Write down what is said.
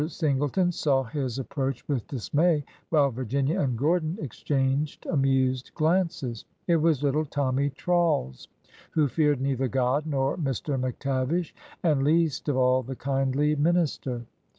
Singleton saw his ap proach with dismay, while Virginia and Gordon ex changed amused glances. It was little Tommy Trawles, who feared neither God nor Mr. McTavish, and least of all the kindly minister.